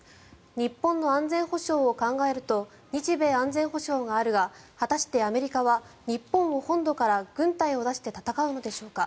日本の安全保障を考えると日米安全保障があるが果たしてアメリカは日本を本土から軍隊を出して戦うのでしょうか。